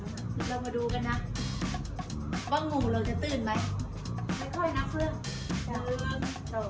เรามาดูกันนะว่างูเราจะตื้นไหมไม่ค่อยนับเพื่อน